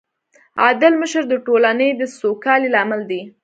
عادل مشر د ټولنې د سوکالۍ لامل دی.